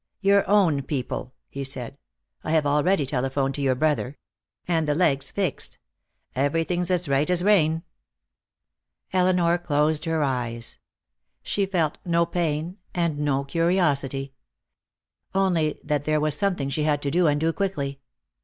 "Your own people," he said. "I have already telephoned to your brother. And the leg's fixed. Everything's as right as rain." Elinor closed her eyes. She felt no pain and no curiosity. Only there was something she had to do, and do quickly.